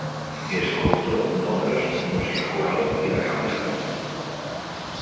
És autor d'obres música coral i de cambra.